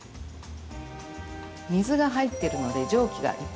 水が入ってるので蒸気がいっぱいになります。